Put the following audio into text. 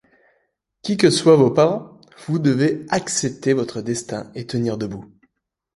Qui que soient vos parents, vous devez accepter votre destin et tenir debout.